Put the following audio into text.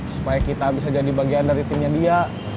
supaya kita bisa jadi bagian dari timnya dia